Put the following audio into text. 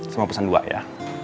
sama pesen dua ya